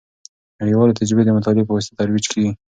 نړیوالې تجربې د مطالعې په واسطه ترویج کیږي.